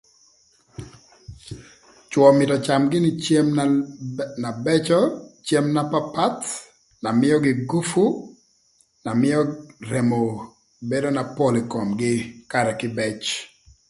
Cwö mïtö öcam gïnï cem na bëcö ëka na papath na mïögï gupu na mïö remo bedo na pol ï komgï karë kïbëc.